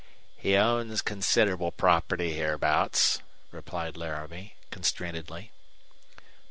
"He owns considerable property hereabouts," replied Laramie, constrainedly.